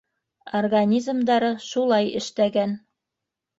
Организмдары шулай эштәгән.